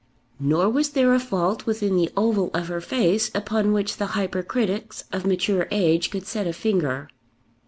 Nor was there a fault within the oval of her face upon which the hypercritics of mature age could set a finger.